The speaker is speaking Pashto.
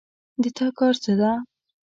د تا کار څه ده